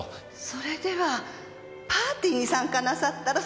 それではパーティーに参加なさったら？